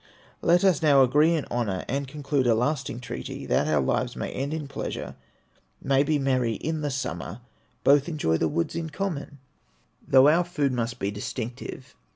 "Let us now agree in honor, And conclude a lasting treaty That our lives may end in pleasure, May be merry in the summer, Both enjoy the woods in common, Though our food must be distinctive.